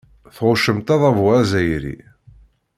Tɣuccemt adabu azzayri.